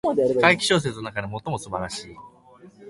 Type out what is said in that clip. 怪奇小説の中で最も素晴らしい